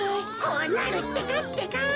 こうなるってかってか。